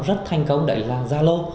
rất thành công đấy là zalo